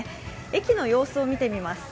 駅の様子を見てみます。